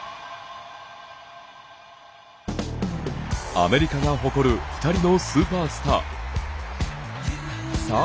アメリカが誇る２人のスーパースター。